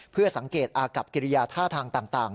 เพื่อสังเกตอากับกิริยาท่าทางต่าง